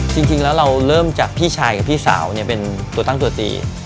จริงแล้วเราเริ่มจากพี่ชายกับพี่สาวเนี่ยเป็นตัวตั้งตัวตี